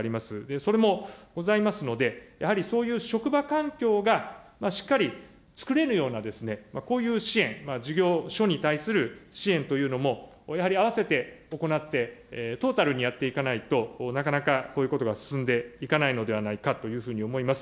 それもございますので、やはりそういう職場環境がしっかり作れるような、こういう支援、事業所に対する支援というのも、やはり併せて行って、トータルにやっていかないと、なかなかこういうことが進んでいかないのではないかというふうに思います。